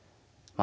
あ